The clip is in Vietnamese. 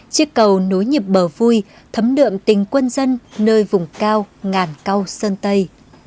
chiếc cầu nối nhịp bờ vui thấm đượm tình quân dân nơi vùng cao ngàn cao sơn tây